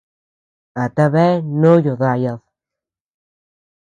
¿A tabea ndoyo dayad?